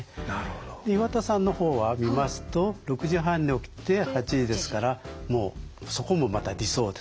で岩田さんの方は見ますと６時半に起きて８時ですからもうそこもまた理想ですね。